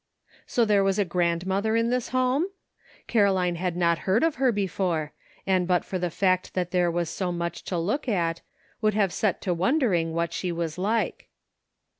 So there was a grandmother in this home? Caroline had not heard of her before, and but for the fact that there was so much to look at, would have set to wondering what she was like.